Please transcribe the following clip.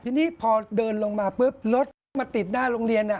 ทีนี้พอเดินลงมาปุ๊บรถมาติดหน้าโรงเรียน